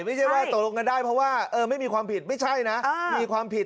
ไม่ใช่ว่าตกลงกันได้เพราะว่าไม่มีความผิดไม่ใช่นะมีความผิด